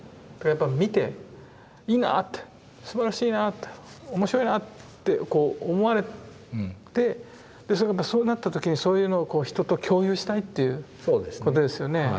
だからやっぱ見ていいなってすばらしいなって面白いなって思われてそうなった時にそういうのを人と共有したいっていうことですよね。